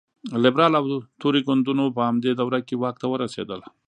لېبرال او توري ګوندونو په همدې دوره کې واک ته ورسېدل.